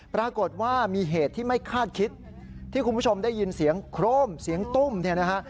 ปรากฏว่ามีเหตุที่ไม่คาดคิดที่คุณผู้ชมได้ยินเสียงโครมเสียงตุ้มเนี่ยนะฮะ